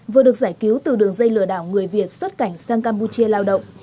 vừa được giải cứu từ đường dây lừa đảo người việt xuất cảnh sang campuchia lao động